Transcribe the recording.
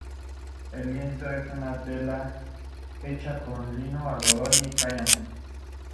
El lienzo es una tela hecha con lino, algodón o cáñamo.